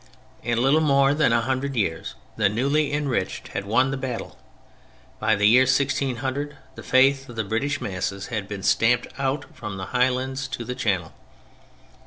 In little more than a hundred years the newly enriched had won the battle. By the year 1600 the Faith of the British masses had been stamped out from the Highlands to the Channel.